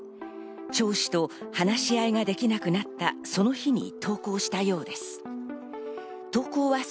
チョウ氏と話し合いができなくなったその日に投稿したようです。